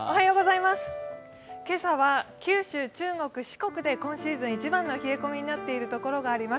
今朝は九州、中国、四国で今シーズン一番の冷え込みになっている所があります。